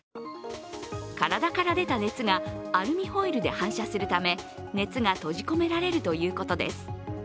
体から出た熱がアルミホイルで反射するため熱が閉じ込められるということです。